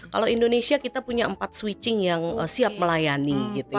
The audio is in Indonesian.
kalau indonesia kita punya empat switching yang siap melayani gitu ya